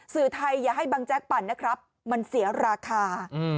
สื่อไทยอย่าให้บังแจ๊กปั่นนะครับมันเสียราคา